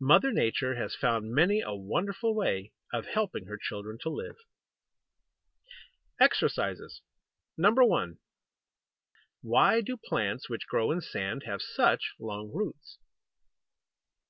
Mother Nature has found many a wonderful way of helping her children to live. EXERCISES 1. Why do plants which grow in sand have such long roots?